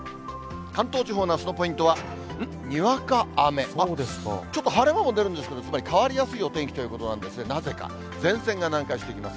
関東地方のあすのポイントは、にわか雨、ちょっと晴れ間も出るんですけれども、つまり変わりやすいお天気ということなんですね、なぜか、前線が南下してきます。